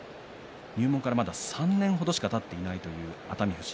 入門からまだ３年程しかたっていないという熱海富士。